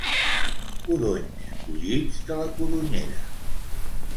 Codonys collits de la codonyera.